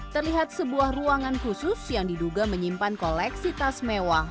terlihat sebuah ruangan khusus yang diduga menyimpan koleksi tas mewah